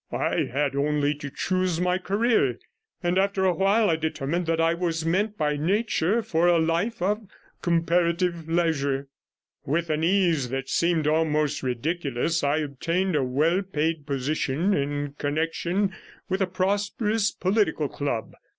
I had only to choose my career, and after a while I determined that I was meant by nature for a life of comparative leisure. With an ease that seemed almost ridiculous, I obtained a well paid position in connection with a prosperous political club.